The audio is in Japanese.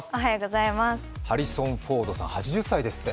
ハリソン・フォードさん８０歳ですって。